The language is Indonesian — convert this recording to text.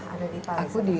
ada di paris